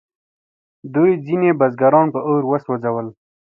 دوی ځینې بزګران په اور وسوځول.